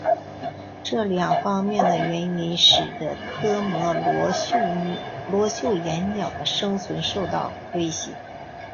这两方面的原因使得科摩罗绣眼鸟的生存受到威胁。